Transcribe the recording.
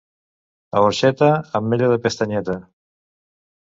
A Orxeta, ametlla de pestanyeta.